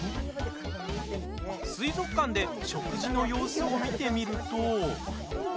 水族館で食事の様子を見てみると。